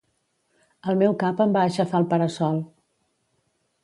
El meu cap em va aixafar el para-sol